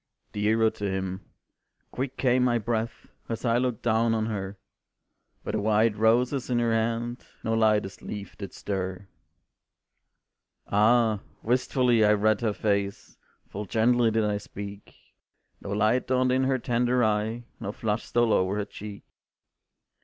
"Dearer to him," quick came my breath As I looked down on her, But the white roses in her hand No lightest leaf did stir. Ah! wistfully I read her face, Full gently did I speak, No light dawned in her tender eye, No flush stole o'er her cheek.